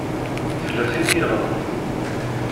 Tella tin i iɣelṭen.